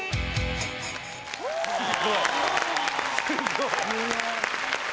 すごい！